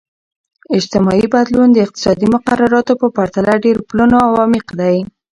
اجتماعي بدلون د اقتصادي مقرراتو په پرتله ډیر پلنو او عمیق دی.